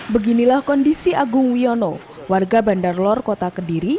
beginilah kondisi agung wiono warga bandar lor kota kediri